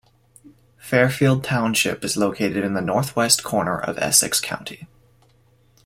Fairfield Township is located in the northwest corner of Essex County.